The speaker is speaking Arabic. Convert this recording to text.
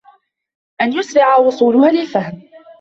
أَنْ يُسْرِعَ وُصُولُهَا لِلْفَهْمِ